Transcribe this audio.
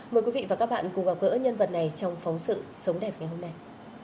mời quý vị và các bạn cùng gặp gỡ nhân vật này trong phóng sự sống đẹp ngày hôm nay